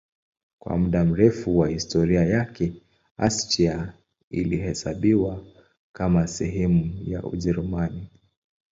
Kwa muda mrefu wa historia yake Austria ilihesabiwa kama sehemu ya Ujerumani.